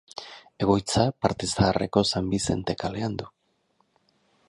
Egoitza Parte Zaharreko San Bizente kalean du.